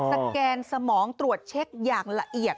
แกนสมองตรวจเช็คอย่างละเอียด